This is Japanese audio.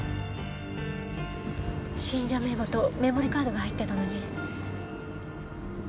信者名簿とメモリーカードが入ってたのに。